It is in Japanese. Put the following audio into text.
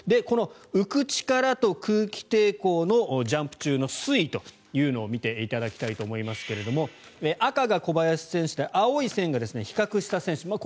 この浮く力と空気抵抗のジャンプ中の推移というのを見ていただきたいと思いますが赤が小林選手で青い線が比較した選手。